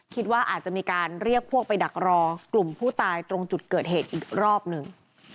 คิดว่าอาจจะมีการเรียกพวกไปดักรอกลุ่มผู้ตายตรงจุดเกิดเหตุอีกรอบหนึ่ง